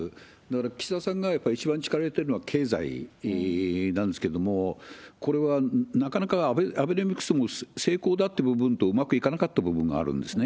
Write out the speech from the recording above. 岸田さんが一番力を入れているのは経済なんですけれども、これはなかなかアベノミクスも成功だっていう部分と、うまくいかなかった部分があるんですね。